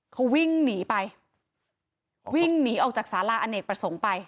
เขาวิ่งหนีไปวิ่งหนีออกจากสาราอเนกประสงค์ไป